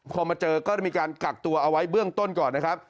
พอมาเจอก็ได้มีการกักตัวเอาไว้เบื้องต้นก่อนนะครับ